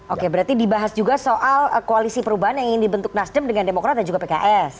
oke berarti dibahas juga soal koalisi perubahan yang ingin dibentuk nasdem dengan demokrat dan juga pks